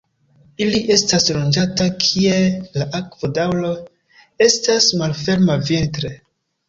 Ili estas loĝanta kie la akvo daŭre estas malferma vintre.